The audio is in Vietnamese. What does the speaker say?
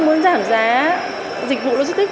muốn giảm giá dịch vụ logistic